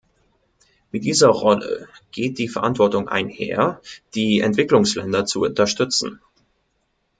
Mit dieser Rolle geht die Verantwortung einher, die Entwicklungsländer zu unterstützen.